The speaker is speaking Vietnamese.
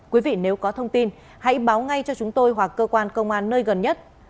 quý vị nếu có thông tin hãy báo ngay cho chúng tôi hoặc cơ quan công an nơi gần nhất